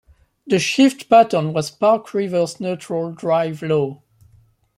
The shift pattern was Park-Reverse-Neutral-Drive-Low.